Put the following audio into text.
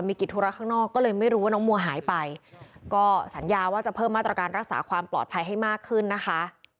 มีกิจธุระข้างนอกก็เลยไม่รู้ว่าน้องมัวหายไปก็สัญญาว่าจะเพิ่มมาตรการรักษาความปลอดภัยให้มากขึ้นนะคะ